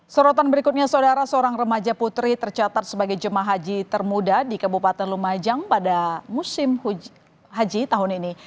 sorotan berikutnya saudara seorang remaja putri tercatat sebagai jemaah haji termuda di kabupaten lumajang pada musim haji tahun ini